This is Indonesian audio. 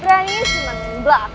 pria ini cuma yang belakang